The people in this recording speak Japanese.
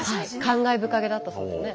感慨深げだったそうですね。